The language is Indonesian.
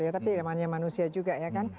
tapi yang mana manusia juga ya kan